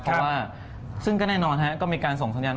เพราะว่าซึ่งก็แน่นอนก็มีการส่งสัญญาณ